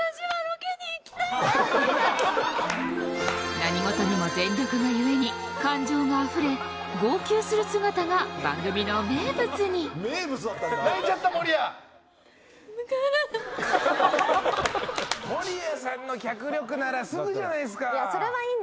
何事にも全力が故に感情があふれ号泣する姿が番組の名物に泣いちゃった守屋！